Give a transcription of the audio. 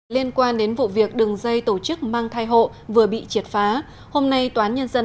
liên quan đến vụ việc đường dây tổ chức mang thai hộ vừa bị triệt phá hôm nay toán nhân dân